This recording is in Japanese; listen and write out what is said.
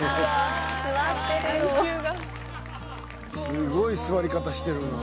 すごい座り方してるな。